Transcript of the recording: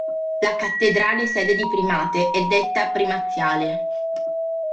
La cattedrale sede di primate è detta primaziale.